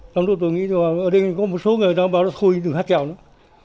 lúc đó tôi nghĩ là ở đây có một số người đang bảo nó khôi đừng hát trèo nữa